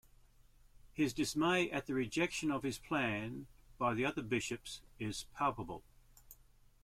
His dismay at the rejection of his plan by the other bishops is palpable.